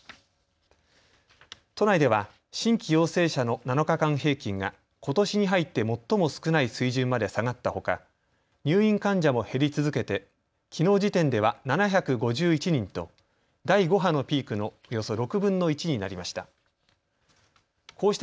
都内では新規陽性者の７日間平均が、ことしに入って最も少ない水準まで下がったほか入院患者も減り続けてきのう時点では７５１人と第５波のピークのおよそ６分の１になりました。